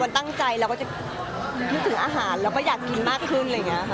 ตั้งใจเราก็จะนึกถึงอาหารเราก็อยากกินมากขึ้นอะไรอย่างนี้ค่ะ